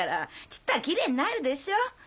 ちっとはきれいになるでしょう。